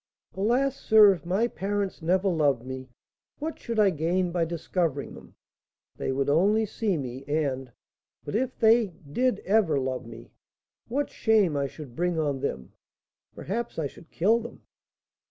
"Alas, sir! if my parents never loved me, what should I gain by discovering them? They would only see me and But if they did ever love me, what shame I should bring on them! Perhaps I should kill them!"